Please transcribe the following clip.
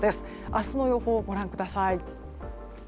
明日の予報をご覧ください。